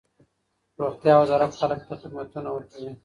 روغتیا وزارت خلک ته خدمتونه ورکوي.